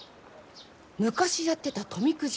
昔やってた富くじ